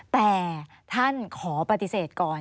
แต่ท่านขอปฏิเสธก่อน